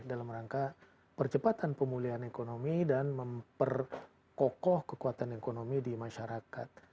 dalam rangka percepatan pemulihan ekonomi dan memperkokoh kekuatan ekonomi di masyarakat